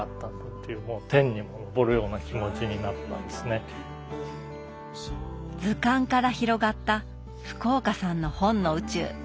というもう図鑑から広がった福岡さんの本の宇宙。